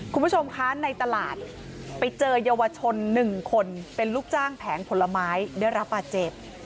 คุณผู้ชมคะในตลาดไปเจอเยาวชน๑คนเป็นลูกจ้างแผงผลไม้ได้รับบาดเจ็บ